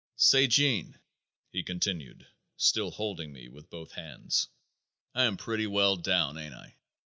"Say, Gene," he continued, still holding me with both hands, "I am pretty well down, ain't I?